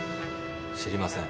知りません。